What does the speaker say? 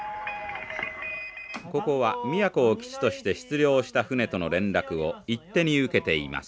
ここは宮古を基地として出漁した船との連絡を一手に受けています。